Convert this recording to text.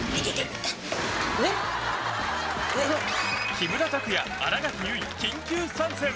木村拓哉、新垣結衣緊急参戦！